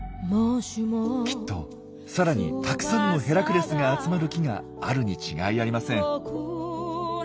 きっとさらにたくさんのヘラクレスが集まる木があるに違いありません。